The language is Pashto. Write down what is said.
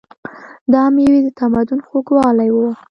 دا مېوې د تمدن خوږوالی و.